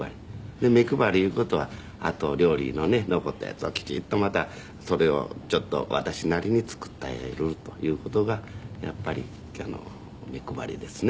で目配りいう事はあと料理のね残ったやつをきちっとまたそれを私なりに作ってあげるという事がやっぱり目配りですね。